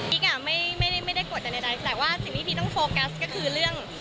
ไม่ได้กดดันใดแต่ว่าสิ่งที่พีคต้องโฟกัสก็คือเรื่อง